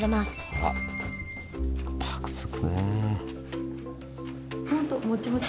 あらぱくつくね。